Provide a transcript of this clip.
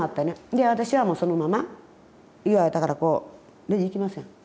で私はもうそのまま言われたからこうレジ行きますやん。